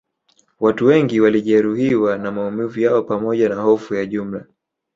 Watu wengi walijeruhiwa na maumivu yao pamoja na hofu ya jumla